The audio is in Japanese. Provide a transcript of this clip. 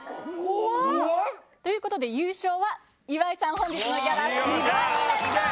怖っ！ということで優勝は岩井さん本日のギャラ２倍になります。